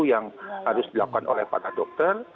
yang harus dilakukan oleh para dokter